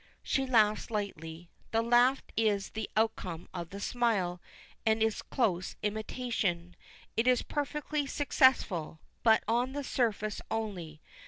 '" She laughs lightly. The laugh is the outcome of the smile, and its close imitation. It is perfectly successful, but on the surface only.